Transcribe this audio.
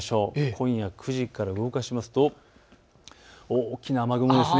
今夜９時から動かすと大きな雨雲です。